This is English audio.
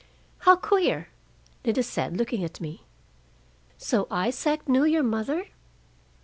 "How queer!" Lida said, looking at me. "So Isaac knew your mother?